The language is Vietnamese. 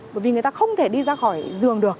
bởi vì người ta không thể đi ra khỏi giường được